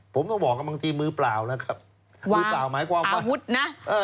ผมต้องบอกว่าบางทีมือเปล่านะครับมือเปล่าหมายความว่าฮุดนะเออ